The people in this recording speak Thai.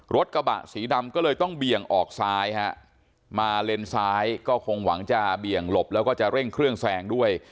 รถกระบะสีดำก็เลยต้องเบี่ยงออกซ้ายฮะมาเลนซ้ายก็คงหวังจะเบี่ยงหลบแล้วก็จะเร่งเครื่องแซงด้วย